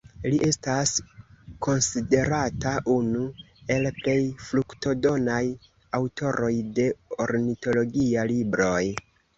Li estas konsiderata unu el plej fruktodonaj aŭtoroj de ornitologia libroj.